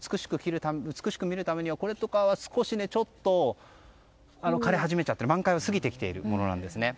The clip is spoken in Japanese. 美しく見るためにはこれとかは少しちょっと枯れ始めている満開を過ぎてきているものなんですね。